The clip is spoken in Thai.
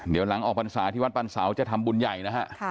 เดี๋ยวหลังออกพรรษาที่วัดปันเสาร์จะทำบุญใหญ่นะฮะ